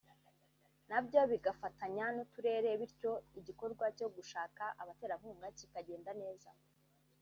nabyo bigafatanya n’uturere bityo igikorwa cyo gushaka abaterankunga kikagenda neza